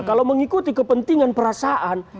kalau mengikuti kepentingan perasaan